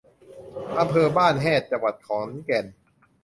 อำเภอบ้านแฮด จังหวัดขอนแก่น